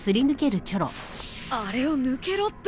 あれを抜けろって。